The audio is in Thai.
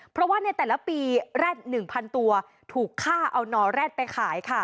เพราะว่าในแต่ละปีแร็ด๑๐๐ตัวถูกฆ่าเอานอแร็ดไปขายค่ะ